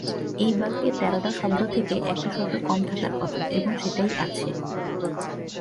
এই বাক্যে তেরোটা শব্দ থেকে একটা শব্দ কম থাকার কথা এবং সেটাই আছে।